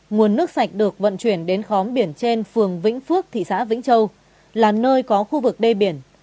nguồn nước sạch được vận chuyển đến khóm biển trên phường vĩnh phước thị xã vĩnh châu là nơi có khu vực đê biển